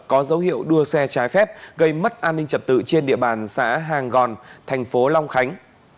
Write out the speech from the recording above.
có dấu hiệu đua xe trái phép gây mất an ninh trật tự trên địa bàn xã hàng gòn thành phố long khánh